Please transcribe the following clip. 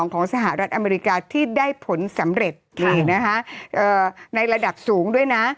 สหรัฐอเมริกาที่ได้ผลสำเร็จในระดับสูงด้วยนะ